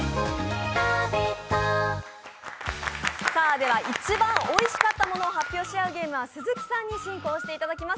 では、一番おいしかったものを発表し合うゲームは、鈴木さんに進行していただきます。